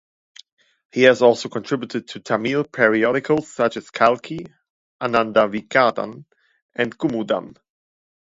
He has also contributed to Tamil periodicals such as "Kalki", "Ananda Vikatan" and "Kumudam".